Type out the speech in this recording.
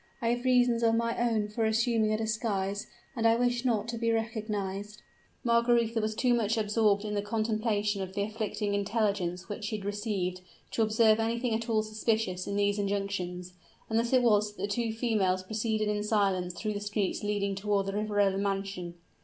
I have reasons of my own for assuming a disguise, and I wish not to be recognized." Margaretha was too much absorbed in the contemplation of the afflicting intelligence which she had received, to observe anything at all suspicious in these injunctions; and thus it was that the two females proceeded in silence through the streets leading toward the Riverola mansion.